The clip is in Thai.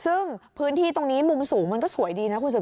ซึ่งพื้นที่ตรงนี้มุมสูงมันก็สวยดีนะคุณสุด